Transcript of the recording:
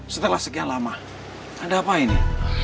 setelah sekian lama ada apa ini